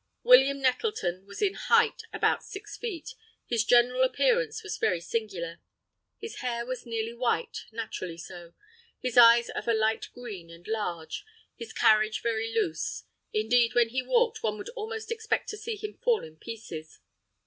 William Nettleton was in height about six feet. His general appearance was very singular. His hair was nearly white—naturally so; his eyes of a light green and large; his carriage very loose—indeed, when he walked, one would almost expect to see him fall in pieces.